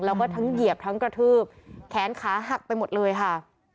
แล้วก็ทั้งเหยียบทั้งกระทืบแขนขาหักไปหมดเลยค่ะ